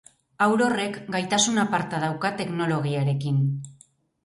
Haur horrek gaitasun aparta dauka teknologiarekin.